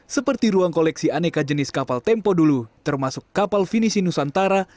seperti ruang koleksi aneka jenis kapal tempo dulu termasuk kapal finisi nusantara